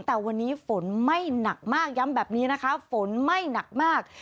แต่วันนี้ฝนไม่หนักมากย้ำแบบนี้นะคะฝนไม่หนักมาก